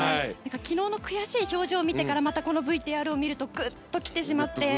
昨日の悔しい表情を見てからまたこのＶＴＲを見るとグッと来てしまって。